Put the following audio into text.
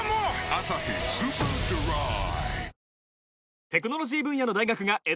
「アサヒスーパードライ」